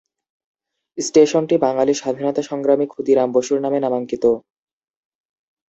স্টেশনটি বাঙালি স্বাধীনতা সংগ্রামী ক্ষুদিরাম বসুর নামে নামাঙ্কিত।